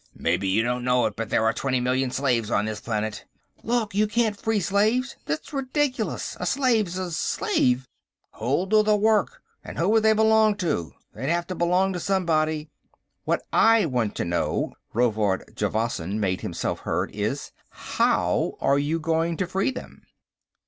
"Maybe you don't know it, but there are twenty million slaves on this planet...." "Look, you can't free slaves! That's ridiculous. A slave's a slave!" "Who'll do the work? And who would they belong to? They'd have to belong to somebody!" "What I want to know," Rovard Javasan made himself heard, is, "how are you going to free them?"